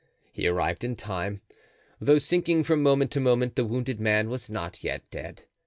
He arrived in time. Though sinking from moment to moment, the wounded man was not yet dead.